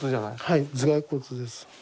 はい頭蓋骨です。